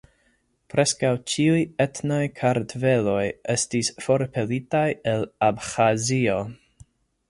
Preskaŭ ĉiuj etnaj kartveloj estis forpelitaj el Abĥazio.